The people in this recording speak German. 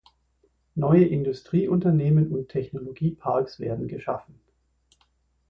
Neue Industrieunternehmen und Technologieparks werden geschaffen.